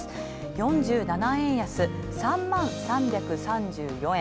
４７円安、３万３３４円。